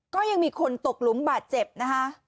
ก็ยังมีคนตกหลุมบาดเจ็บนะคะ